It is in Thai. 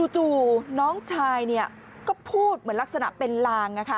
จู่น้องชายเนี่ยก็พูดเหมือนลักษณะเป็นรางอะค่ะ